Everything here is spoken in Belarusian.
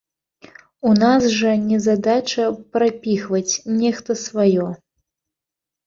У нас жа не задача прапіхваць нехта сваё!